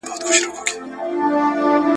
په سپین سر ململ پر سر ,